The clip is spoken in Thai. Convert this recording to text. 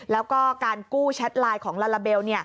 แล้วก็การกู้แชทไลน์ของลาลาเบล